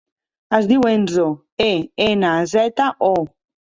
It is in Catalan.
Es diu Enzo: e, ena, zeta, o.